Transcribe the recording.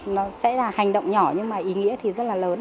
nó sẽ là hành động nhỏ nhưng mà ý nghĩa thì rất là lớn